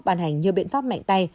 bàn hành nhiều biện pháp mạnh tay